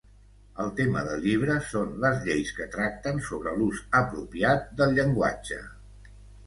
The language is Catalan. El tema del llibre són les lleis que tracten sobre l'ús apropiat del llenguatge.